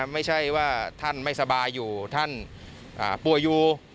ไม่ใช่ว่าท่านไม่สบายอยู่ท่านป่วยอยู่